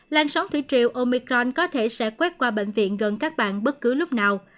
làn sóng thủy triệu omicron có thể sẽ quét qua bệnh viện gần các bạn bất cứ lúc nào